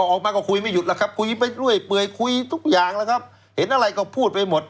ออกมาก็คุยไม่หยุดแล้วครับคุยไปเรื่อยเปื่อยคุยทุกอย่างแล้วครับเห็นอะไรก็พูดไปหมด